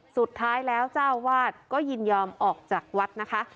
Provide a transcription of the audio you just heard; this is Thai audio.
สุดท้ายแล้วเจ้าวาดก็ยินยอมออกจากวัดนะคะ